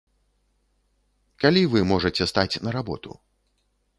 Калі вы можаце стаць на работу?